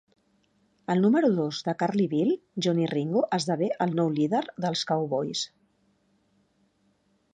El número dos de Curly Bill, Johnny Ringo, esdevé el nou líder dels Cowboys.